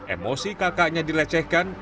emosi kakaknya dilecehkan